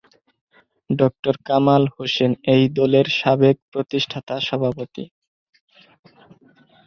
ড: কামাল হোসেন এই দলের সাবেক প্রতিষ্ঠাতা সভাপতি।